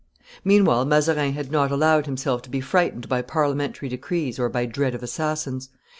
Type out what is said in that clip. Meanwhile Mazarin had not allowed himself to be frightened by parliamentary decrees or by dread of assassins.